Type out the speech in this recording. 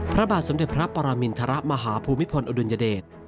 พระบาทสมเด็จพระปรมินทรมาฮภูมิพลอดุลยเดช